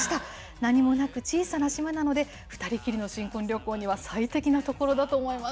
何もなく、小さな島なので、２人きりの新婚旅行には最適な所だと思います。